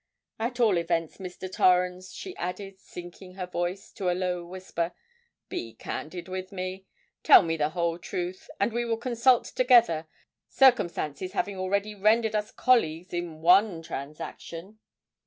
At all events, Mr. Torrens," she added, sinking her voice to a low whisper, "be candid with me—tell me the whole truth—and we will consult together, circumstances having already rendered us colleagues in one transaction."